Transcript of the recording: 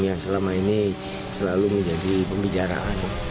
yang selama ini selalu menjadi pembicaraan